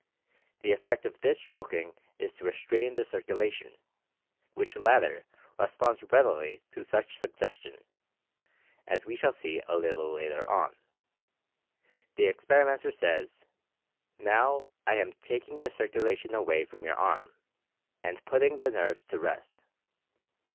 The effect of this stroking is to restrain the circula tion, which latter responds readily to such sugges tion, as we shall see a little later on. The experi menter says: "Now I am taking the circulation away from your arm, and putting the nerves to rest.